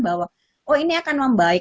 bahwa oh ini akan membaik